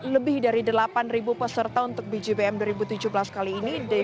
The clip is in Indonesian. lebih dari delapan peserta untuk bgbm dua ribu tujuh belas kali ini